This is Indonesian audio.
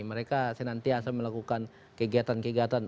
mereka senantiasa melakukan kegiatan kegiatan